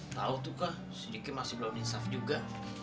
tau tuh kak si diki masih belum disaf juga